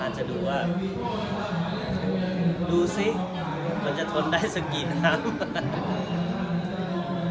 จะดูว่าดูสิมันจะทนได้สักกี่นัด